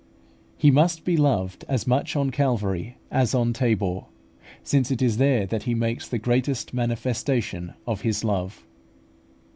He must be loved as much on Calvary as on Tabor, since it is there that He makes the greatest manifestation of His love.